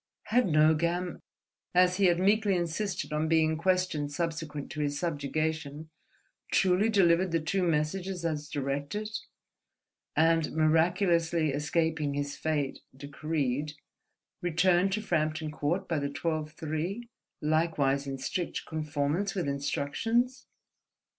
Had Nogam, as he had meekly insisted on being questioned subsequent to his subjugation, truly delivered the two messages as directed and, miraculously escaping his fate decreed, returned to Frampton Court by the twelve three, likewise in strict conformance with instructions?